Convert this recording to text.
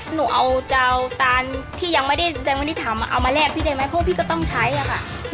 หนูเอาเจ้าตานที่ยังไม่ได้ทำเอามาแลกพี่ได้ไหมเพราะพี่ก็ต้องใช้อ่ะค่ะ